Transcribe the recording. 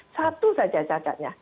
satu saja catatnya